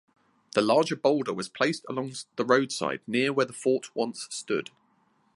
The larger boulder was placed along the roadside near where the fort once stood.